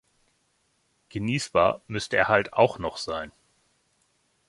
Genießbar müsste er halt auch noch sein.